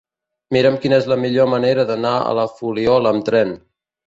Mira'm quina és la millor manera d'anar a la Fuliola amb tren.